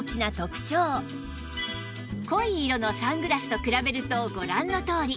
濃い色のサングラスと比べるとご覧のとおり